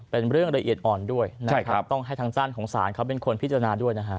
เป็นเรื่องละเอียดอ่อนด้วยนะครับต้องให้ทางด้านของศาลเขาเป็นคนพิจารณาด้วยนะฮะ